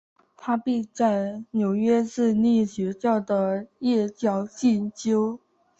他并在纽约市立学院的夜校进修。